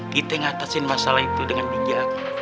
kita ngatasin masalah itu dengan bijak